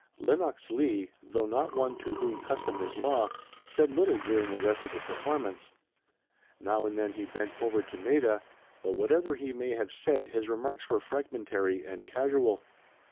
Lenox Leigh, though not one to whom custom is law, said little during the rest of the performance. Now and then he bent forward to Maida, but whatever he may have said his remarks were fragmentary and casual.